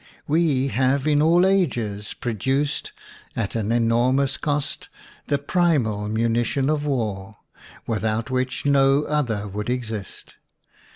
We have in all ages pro duced, at an enormous cost, the primal munition of war, without which no other would exist.